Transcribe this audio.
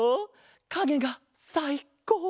かげがさいこうな